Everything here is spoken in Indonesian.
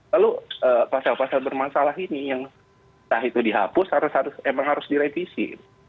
lalu pasal pasal bermasalah ini yang entah itu dihapus harus emang harus direvisi